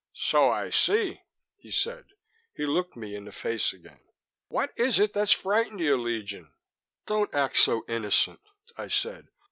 "So I see," he said. He looked me in the face again. "What is it that's frightened you, Legion?" "Don't act so innocent," I said.